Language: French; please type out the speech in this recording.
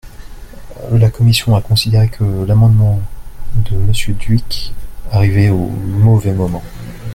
La commission a considéré que l’amendement de Monsieur Dhuicq arrivait au mauvais moment.